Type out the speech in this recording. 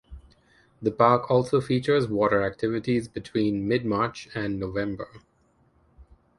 The park also features water activities between mid-March and November.